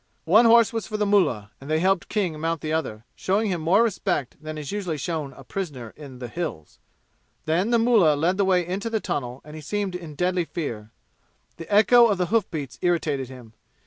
One horse was for the mullah, and they helped King mount the other, showing him more respect than is usually shown a prisoner in the "Hills." Then the mullah led the way into the tunnel, and he seemed in deadly fear. The echo of the hoof beats irritated him.